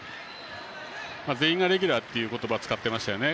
全員がレギュラーという言葉を使っていましたね